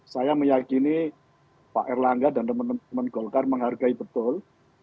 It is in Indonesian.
saya meyakini pak erlangga dan teman teman golkar menghargai betul